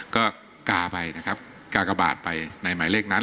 ก็กาไปนะครับกากบาทไปในหมายเลขนั้น